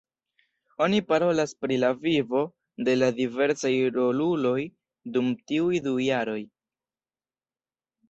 Oni parolas pri la vivo de la diversaj roluloj dum tiuj du jaroj.